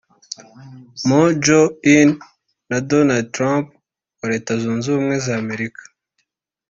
Moon Jae-in na Donald Trump wa Leta Zunze Ubumwe za Amerika